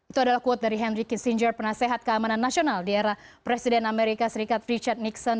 itu adalah quote dari henry kissinger penasehat keamanan nasional di era presiden amerika serikat richard nixon